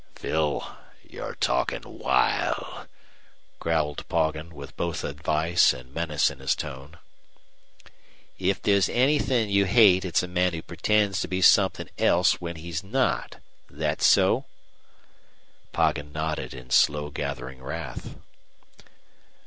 "Phil, you're talkin' wild," growled Poggin, with both advice and menace in his tone. "If there's anythin' you hate it's a man who pretends to be somebody else when he's not. Thet so?" Poggin nodded in slow gathering wrath.